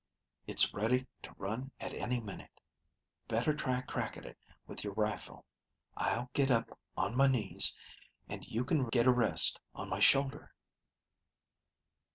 "It's ready to run at any minute. Better try a crack at it with your rifle. I'll get up on my knees and you can get a rest on my shoulder."